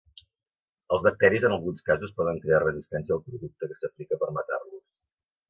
Els bacteris en alguns casos poden crear resistència al producte que s'aplica per matar-los.